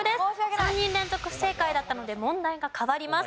３人連続不正解だったので問題が変わります。